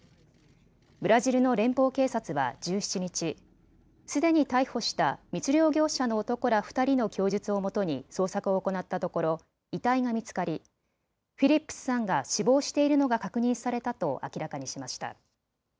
ブラジルの連邦警察は１７日、すでに逮捕した密漁業者の男ら２人の供述をもとに捜索を行ったところ遺体が見つかりフィリップスさんが死亡しているのが確認されたと明らかにしました。